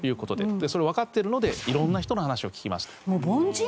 それをわかってるので色んな人の話を聞きますと。